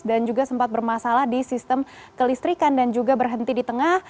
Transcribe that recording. dan juga sempat bermasalah di sistem kelistrikan dan juga berhenti di tengah